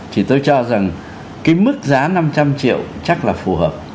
thì tôi cho rằng cái mức giá năm trăm linh triệu chắc là phù hợp